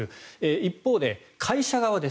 一方で、会社側です。